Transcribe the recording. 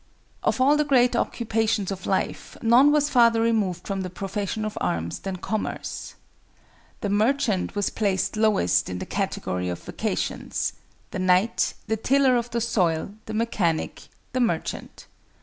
Of all the great occupations of life, none was farther removed from the profession of arms than commerce. The merchant was placed lowest in the category of vocations,—the knight, the tiller of the soil, the mechanic, the merchant.